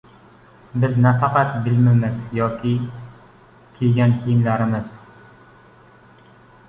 Biz nafaqat bilimimiz yoki kiygan kiyimlarimiz.